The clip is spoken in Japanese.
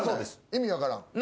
意味分からん。